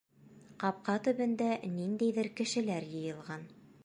Ҡапҡа төбөндә ниндәйҙер кешеләр йыйылған.